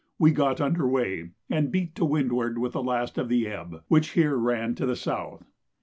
we got under weigh and beat to windward with the last of the ebb, which here ran to the south.